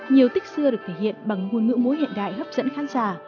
nhiều tích xưa được thể hiện bằng ngôn ngữ múa hiện đại hấp dẫn khán giả